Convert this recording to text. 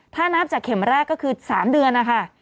ถ้านับจากเข็มแรกก็คือ๓เดือนนะคะ